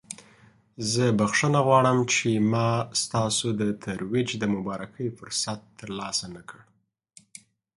زه بخښنه غواړم چې ما ستاسو د ترویج د مبارکۍ فرصت ترلاسه نکړ.